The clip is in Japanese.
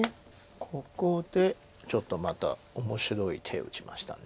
ここでちょっとまた面白い手打ちました。